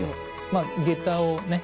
まあ下駄をね